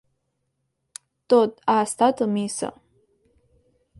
Tot ha estat a missa.